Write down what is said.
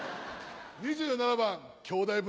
２７番『兄弟船』。